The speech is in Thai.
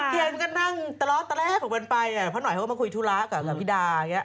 เพราะหน่อยเขาก็มาคุยธุระกับพี่ดา